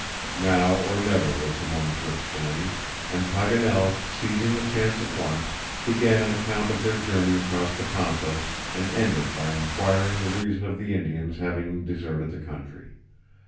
Now or never was the moment to explain, and Paganel, seizing the chance at once, began an account of their journey across the Pampas, and ended by inquiring the reason of the Indians having deserted the country.